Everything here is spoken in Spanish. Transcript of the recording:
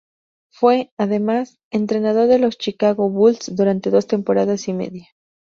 Fue, además, entrenador de los Chicago Bulls durante dos temporadas y media.